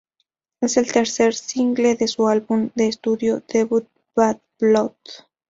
Es el tercer single de su álbum de estudio debut Bad Blood.